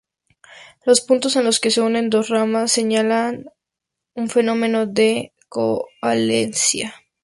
Los puntos en los que se unen dos ramas señalan un fenómeno de coalescencia.